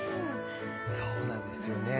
そうなんですよね。